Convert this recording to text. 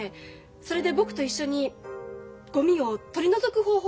それで僕と一緒にゴミを取り除く方法を考えようって。